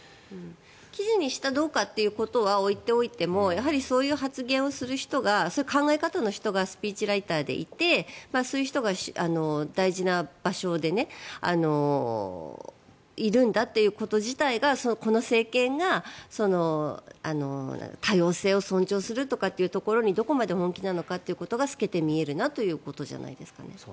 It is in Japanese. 記事にしたことがどうかということは置いておいてもそういう発言をする人がそういう考え方の人がスピーチライターでいてそういう人が大事な場所でいるんだということ自体がこの政権が多様性を尊重するというところにどこまで本気なのかってことが透けて見えるなということじゃないですかね。